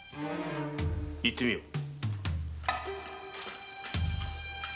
行って見よう。